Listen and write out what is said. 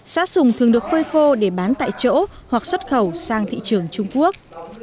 sát sùng thường được khơi khô để bán tại chỗ hoặc xuất khẩu sang thị trường trung quốc